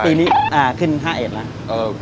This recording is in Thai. ปีนี้ขึ้น๕๑แล้ว